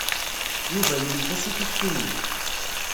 Yuba yunef-as i tikti-nni.